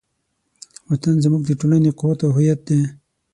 وطن زموږ د ټولنې قوت او هویت دی.